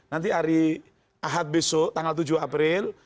nanti hari ahad besok tanggal tujuh april